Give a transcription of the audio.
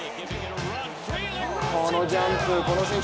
このジャンク、この選手